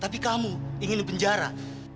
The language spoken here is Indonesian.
tapi kamu ingin dipenjara